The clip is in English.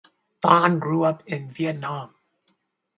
Thanh grew up in Vietnam.